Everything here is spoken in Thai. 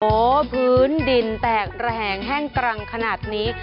โอ้โหพื้นดินแตกระแหงแห้งกรังขนาดนี้